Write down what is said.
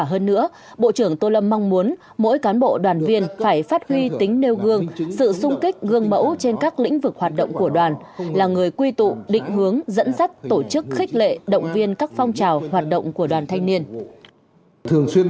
hơn nữa bộ trưởng tô lâm mong muốn mỗi cán bộ đoàn viên phải phát huy tính nêu gương sự sung kích gương mẫu trên các lĩnh vực hoạt động của đoàn là người quy tụ định hướng dẫn dắt tổ chức khích lệ động viên các phong trào hoạt động của đoàn thanh niên